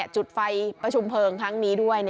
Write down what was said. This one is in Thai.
จุดไฟประชุมเพลิงครั้งนี้ด้วย